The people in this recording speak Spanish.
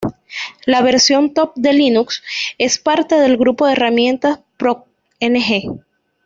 La versión Top de Linux es parte del grupo de herramientas procps-ng.